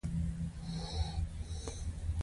که دوه قوې هم جهته وي محصله یې جمع ده.